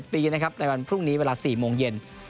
ปีนะครับในวันพรุ่งนี้เวลา๔โมงเย็น